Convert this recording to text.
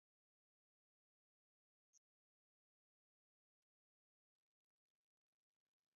Hinton en "The Rabbi Davis Story" de la serie religiosa de antología, "Crossroads".